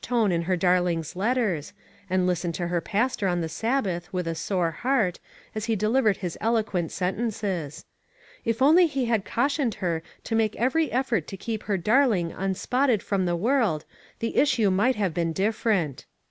399 tone in her darling's letters, and listened to her pastor on the Sabbath with a sore heart, as he delivered his eloquent sentences. If only he had cautioned her to make every effort to keep her darling unspotted from the world, the issue might have been dif ferent.